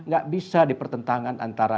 gak bisa dipertentangan antara